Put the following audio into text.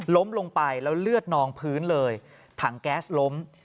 ล้มลงไปแล้วเลือดนองพื้นเลยถังแก๊สล้ม